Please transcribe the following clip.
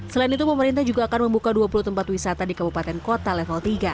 selain itu pemerintah juga akan membuka dua puluh tempat wisata di kabupaten kota level tiga